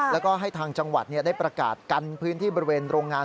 แล้วก็ให้ทางจังหวัดได้ประกาศกันพื้นที่บริเวณโรงงาน